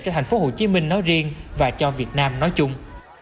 cho thành phố hồ chí minh nói riêng và cho việt nam nói chung